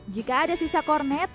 jika ada sisa kornet